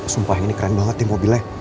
sumpah ini keren banget nih mobilnya